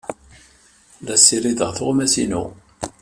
La ssirideɣ tuɣmas-inu.